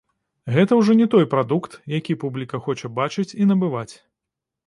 Гэта ўжо не той прадукт, які публіка хоча бачыць і набываць.